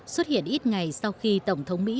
xuất hiện ít ngày sau khi tổng thống mỹ